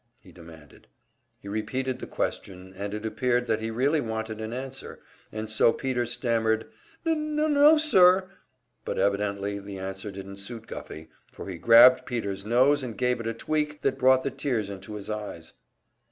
he demanded. He repeated the question, and it appeared that he really wanted an answer, and so Peter stammered, "N n no, sir." But evidently the answer didn't suit Guffey, for he grabbed Peter's nose and gave it a tweak that brought the tears into his eyes.